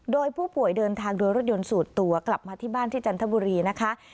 โดยผู้ป่วยเดินทางโดยรถยนต์สูตรตัวกลับมาที่บ้านที่จันทบุรีนะคะ